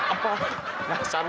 apa mas arfi